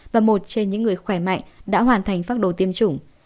và một trên những người khỏe mạnh đã hoàn thành phác đồ tiêm chủng